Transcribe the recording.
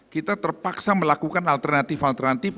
kita terpaksa melakukan alternatif alternatif